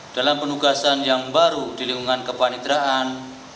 dalam penugasan yang baru di lingkungan kepanitraan